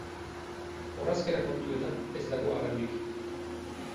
Orrazkera kontuetan ez dago araurik.